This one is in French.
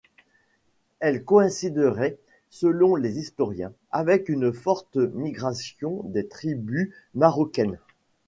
Elle coïnciderait, selon les historiens, avec une forte migrations des tribus marocaines.